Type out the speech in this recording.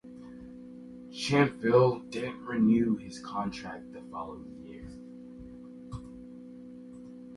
Champville didn't renew his contract the following year.